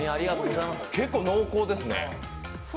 結構濃厚ですね。